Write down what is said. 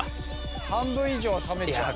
半分以上は冷めちゃう。